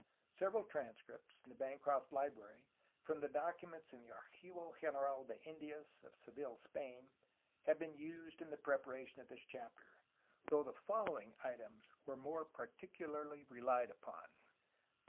Several transcripts (in the Bancroft Library) from dociiments in the Archivo General de Indias of Se ville, Spain, have been used in the preparation of this chapter, though the following items were more particularly relied upon: 1.